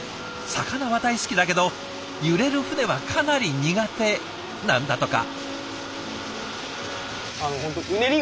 魚は大好きだけど揺れる船はかなり苦手なんだとか。